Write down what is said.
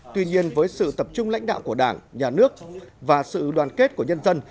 tuy nhiên với sự tập trung lãnh đạo của đảng nhà nước và sự đoàn kết của nhân dân